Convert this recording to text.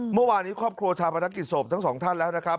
เมื่อวานนี้ครอบครัวชาวประนักกิจศพทั้งสองท่านแล้วนะครับ